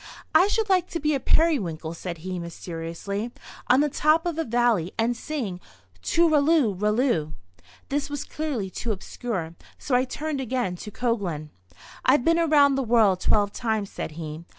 "I should like to be a periwinkle," said he, mysteriously, "on the top of a valley, and sing tooralloo ralloo." This was clearly too obscure, so I turned again to Coglan. "I've been around the world twelve times," said he.